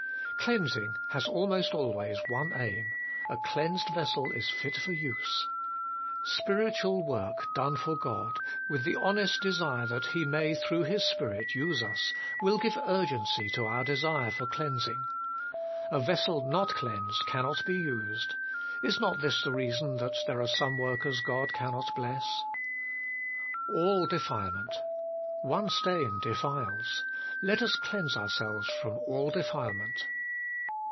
1. Cleansing has almost always one aim : a cleansed vessel Is ft for use. Spiritual work done for God, with the honest desire that He may through His Spirit use us, will give urgency to our desire for cleansing. A vessel not cleansed cannot be used : is not this the reason that there are some workers God cannot bless ? 2. All defilement: one stain defiles. 'Let us cleanse ourselves from al] defilement.'